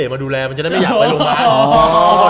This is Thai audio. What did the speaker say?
มาดูแลมันจะได้ไม่อยากไปโรงพยาบาล